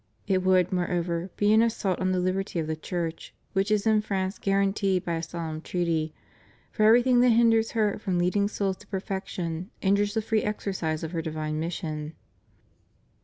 It would, moreover, be an assault on the liberty of the Church which is in France guaranteed by a solenm treaty, for everything that hinders her from leading souls to perfection injures the free exercise of her divine mission.